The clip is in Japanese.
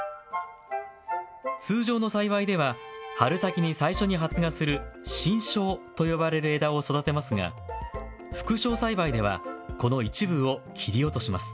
通常の栽培では春先に最初に発芽する新梢と呼ばれる枝を育てますが副梢栽培ではこの一部を切り落とします。